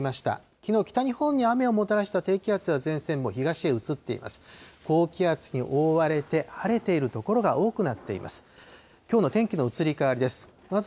きのう、北日本に雨をもたらした低気圧や前線も東へ移っています。